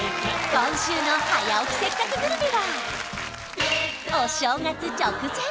今週の「早起きせっかくグルメ！！」はお正月直前！